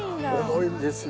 重いんですよ。